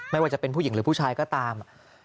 ไม่ว่าจะเป็นผู้หญิงหรือผู้ชายก็ตาม